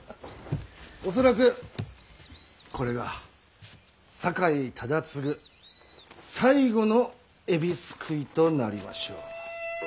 恐らくこれが酒井忠次最後の「海老すくい」となりましょう。